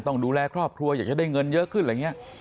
ต้องดูแลครอบครัวอยากจะได้เงินเยอะขึ้นอะไรอย่างนี้